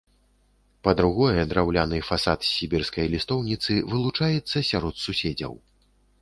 Па-другое, драўляны фасад з сібірскай лістоўніцы вылучаецца сярод суседзяў.